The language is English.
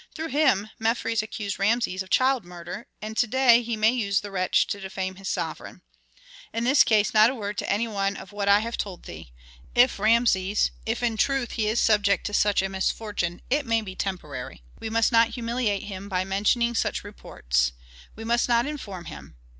Through him Mefres accused Rameses of child murder, and to day he may use the wretch to defame his sovereign. In this case not a word to any one of what I have told thee. If Rameses if in truth he is subject to such a misfortune, it may be temporary. We must not humiliate him by mentioning such reports, we must not inform him.